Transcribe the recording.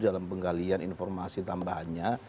dalam penggalian informasi tambahannya